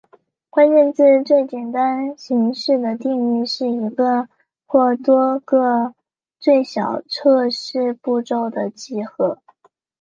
关键字最简单形式的定义是一个或多个最小测试步骤的集合。